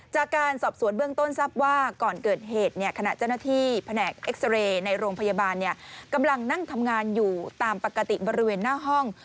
จากการสอบสวนเบื้องต้นทรัพย์ว่าก่อนเกิดเหตุขณะเจ้าหน้าที่แผนกเอ็กซาเรย์ในโรงพยาบาลกำลังนั่งทำงานอยู่ตามปกติบริเวณหน้าห้อง